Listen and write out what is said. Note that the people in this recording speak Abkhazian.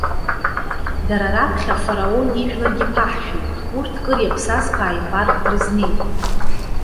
Дара раԥхьа, Фараон ижәларгьы ԥаҳшәеит. Урҭ, кыр иаԥсаз ԥааимбарк дрызнеит.